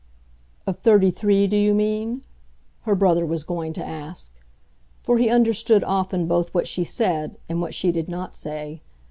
"Of thirty three, do you mean?" her brother was going to ask; for he understood often both what she said and what she did not say.